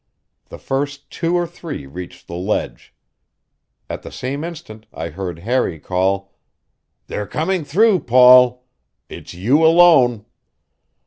The first two or three reached the ledge. At the same instant I heard Harry call: "They're coming through, Paul! It's you alone!"